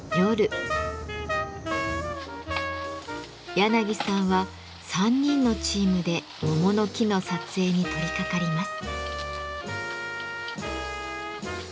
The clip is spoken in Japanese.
やなぎさんは３人のチームで桃の木の撮影に取りかかります。